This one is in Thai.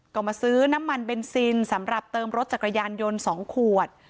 ก็มาซื้อน้ำมันเบนซินสำหรับเติมรถจักรยานยนต์๒ขวด